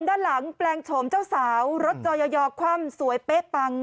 ด้านหลังแปลงโฉมเจ้าสาวรถจอยอคว่ำสวยเป๊ะปัง